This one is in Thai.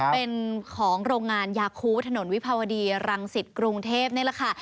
เป็นของโรงงานยาคูถนนวิภาวดีรังสิตกรุงเทพนี่แหละค่ะ